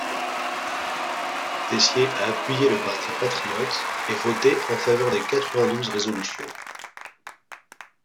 Tessier a appuyé le parti patriote et voté en faveur des quatre-vingt-douze résolutions.